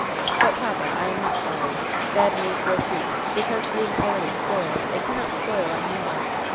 But, papa, I am not sorry ! Bad news will keep ; because being already spoiled, it cannot spoil any more.